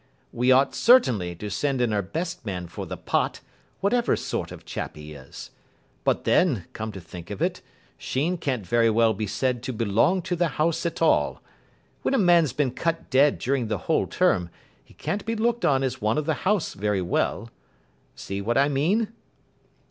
We ought certainly to send in our best man for the pot, whatever sort of chap he is. But then, come to think of it, Sheen can't very well be said to belong to the house at all. When a man's been cut dead during the whole term, he can't be looked on as one of the house very well. See what I mean?"